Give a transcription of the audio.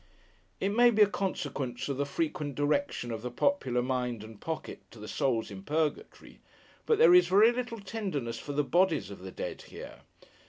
It may be a consequence of the frequent direction of the popular mind, and pocket, to the souls in Purgatory, but there is very little tenderness for the bodies of the dead here.